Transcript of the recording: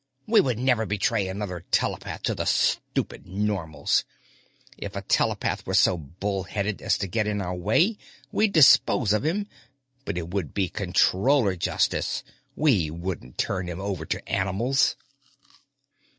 _We would never betray another telepath to the stupid Normals! If a telepath were so bullheaded as to get in our way, we'd dispose of him. But it would be Controller justice; we wouldn't turn him over to animals!